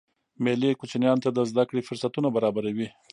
مېلې کوچنيانو ته د زدهکړي فرصتونه برابروي.